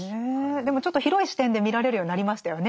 でもちょっと広い視点で見られるようになりましたよね。